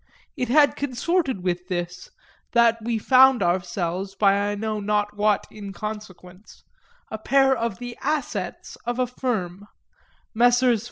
It had consorted with this that we found ourselves, by I know not what inconsequence, a pair of the "assets" of a firm; Messrs.